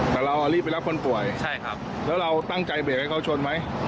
แต่เรารีบไปรับคนป่วยแล้วเราตั้งใจเบกให้เขาชนไหมใช่ครับ